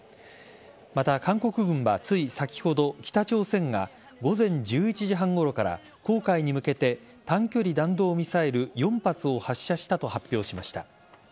また、韓国軍はつい先ほど北朝鮮が午前１１時半ごろから黄海に向けて短距離弾道ミサイル４発を発射したと発表しました。